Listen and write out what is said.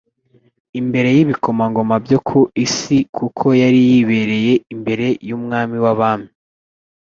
imbere y'ibikomangoma byo ku isi, kuko yari yibereye imbere y'Umwami w'abami.